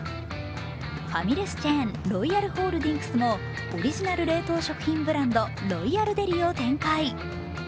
ファミレスチェーン、ロイヤルホールディングスのオリジナル冷凍食品ブランド、ロイヤルデリを展開。